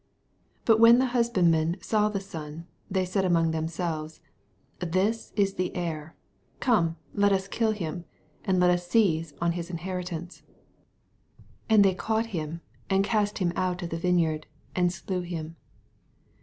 88 But when the husbandmen saw the son, they said among themselves, This is the heir; come, let us kill him, and let us seize on his inheritance. 89 And they caught him, and cast him out of the vineyard, and slew him.